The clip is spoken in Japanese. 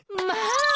まあ！